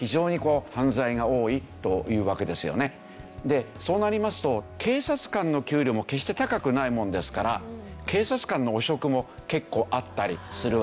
でそうなりますと警察官の給料も決して高くないものですから警察官の汚職も結構あったりするわけですね。